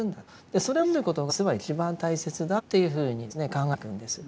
それを信じることが実は一番大切だというふうに考えていくんです。